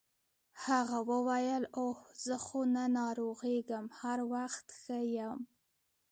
هغه وویل اوه زه خو نه ناروغیږم هر وخت ښه یم.